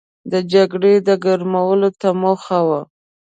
د جګړې د ګرمولو ته مخه وه.